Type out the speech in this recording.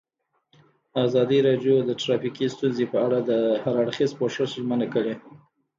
ازادي راډیو د ټرافیکي ستونزې په اړه د هر اړخیز پوښښ ژمنه کړې.